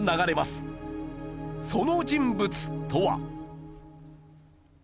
その人物とは？